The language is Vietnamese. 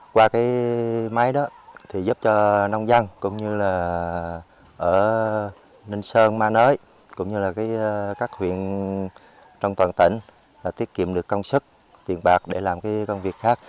qua cái máy đó thì giúp cho nông dân cũng như là ở ninh sơn ma nới cũng như là các huyện trong toàn tỉnh tiết kiệm được công sức tiền bạc để làm cái công việc khác